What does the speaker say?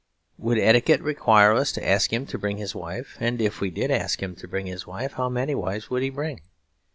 Would etiquette require us to ask him to bring his wife? And if we did ask him to bring his wife, how many wives would he bring?